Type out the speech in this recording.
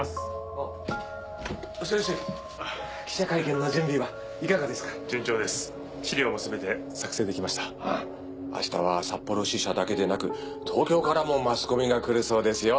あしたは札幌支社だけでなく東京からもマスコミが来るそうですよ。